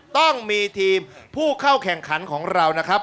ต้องมีทีมผู้เข้าแข่งขันของเรานะครับ